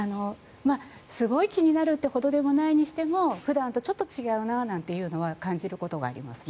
すごい気になるほどではないにしても普段とちょっと違うなというのは感じることがありますね。